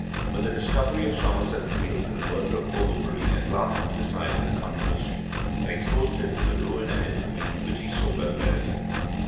But the discovery of Somerset's guilt in the murder of Overbury at last decided the controversy, and exposed him to the ruin and infamy which he so well merited.